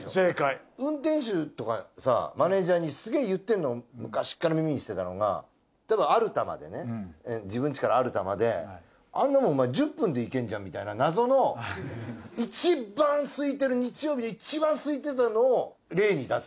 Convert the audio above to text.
運転手とかさマネージャーにすげえ言ってるの昔から耳にしてたのが例えばアルタまでね自分ちからアルタまであんなもんお前１０分で行けんじゃんみたいな謎のいちばん空いてる日曜日でいちばん空いてたのを例に出す。